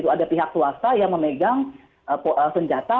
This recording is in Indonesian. ada pihak swasta yang memegang senjata